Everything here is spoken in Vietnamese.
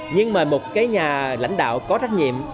nhưng mà một cái nhà lãnh đạo có trách nhiệm